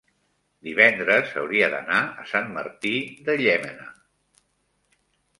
divendres hauria d'anar a Sant Martí de Llémena.